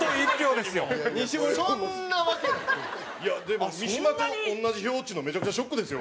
でも、三島と同じ票っちゅうのめちゃくちゃショックですよ。